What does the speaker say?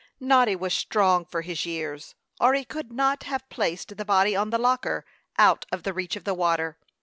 Noddy was strong for his years, or he could not have placed the body on the locker, out of the reach of the water.